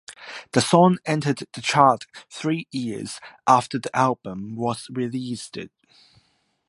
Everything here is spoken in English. The song entered the chart three years after the album was released.